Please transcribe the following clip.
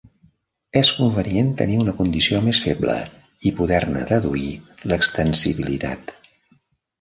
És convenient tenir una condició més feble i poder-ne deduir l'extensibilitat.